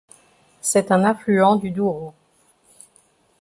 C'est un affluent du Douro.